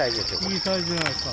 いいサイズじゃないですか。